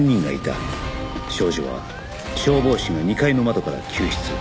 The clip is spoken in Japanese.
少女は消防士が２階の窓から救出